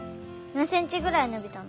何センチぐらいのびたの？